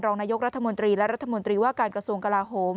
รองนายกรัฐมนตรีและรัฐมนตรีว่าการกระทรวงกลาโหม